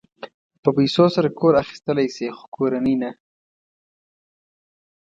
په پیسو سره کور اخيستلی شې خو کورنۍ نه شې.